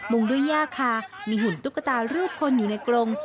งด้วยย่าคามีหุ่นตุ๊กตารูปคนอยู่ในกรง